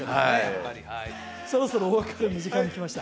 はいそろそろお別れの時間が来ました